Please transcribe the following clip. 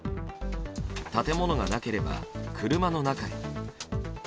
建物がなければ車の中へ。